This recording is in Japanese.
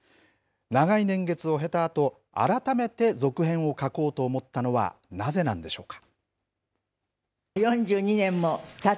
長い年月を経たあと、改めて続編を書こうと思ったのは、なぜなんでしょうか。